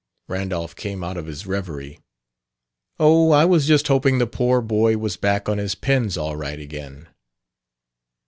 Randolph came out of his reverie. "Oh, I was just hoping the poor boy was back on his pins all right again."